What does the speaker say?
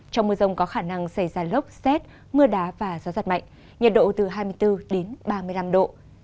trong mưa rông có khả năng xảy ra lốc xét mưa đá và gió giật mạnh nhiệt độ từ hai mươi bốn đến ba mươi năm độ